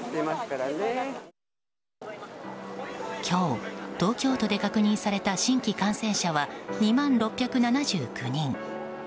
今日、東京都で確認された新規感染者は２万６７９人。